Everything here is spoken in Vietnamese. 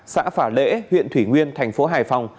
xã phả lễ huyện thủy nguyên tp hải phòng